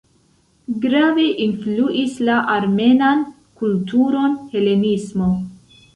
Grave influis la armenan kulturon helenismo.